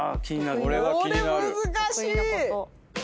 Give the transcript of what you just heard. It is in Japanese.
これ難しい！